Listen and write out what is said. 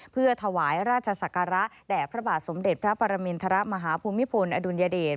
เพื่อถวายราชศักระแด่พระบาทสมเด็จพระปรมินทรมาฮภูมิพลอดุลยเดช